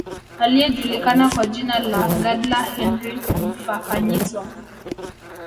Aliyejulikana kwa jina la Gadla Henry Mphakanyiswa